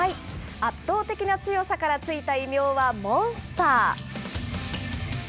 圧倒的な強さから付いた異名は、モンスター。